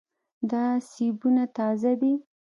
دا سیبونه تازه دي.